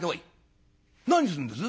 「何すんです？」。